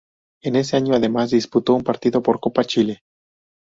En ese año además disputó un partido por Copa Chile.